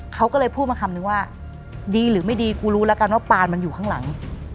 เขาก็เลยพูดมาคำนึงว่าดีหรือไม่ดีกูรู้แล้วกันว่าปานมันอยู่ข้างหลัง